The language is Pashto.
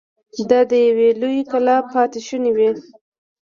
دا د يوې لويې کلا پاتې شونې وې.